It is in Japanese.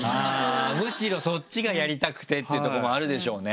むしろそっちがやりたくてっていうとこもあるでしょうね。